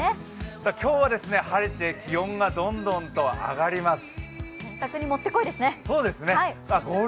今日は晴れて気温がどんどんと上がります。